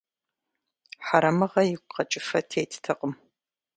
Хьэрэмыгъэ игу къэкӀыфэ теттэкъым.